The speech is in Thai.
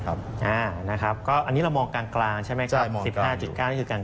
อันนี้เรามองกลางใช่ไหมครับ๑๕๙นี่คือกลาง